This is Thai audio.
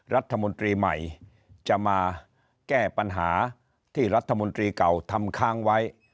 รัฐมนตรีใหม่จะมาแก้ปัญหาที่รัฐมนตรีเก่าทำค้างไว้